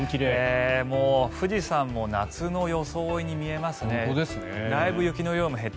もう富士山も夏の装いに見えますね。